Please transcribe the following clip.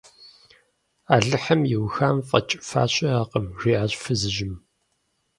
- Алыхьым иухам фӀэкӀыфа щыӀэкъым, – жиӀащ фызыжьым.